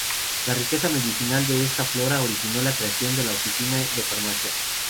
La riqueza medicinal de esta flora originó la creación de la oficina de farmacia.